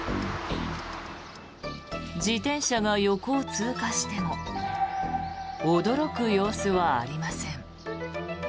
自転車が横を通過しても驚く様子はありません。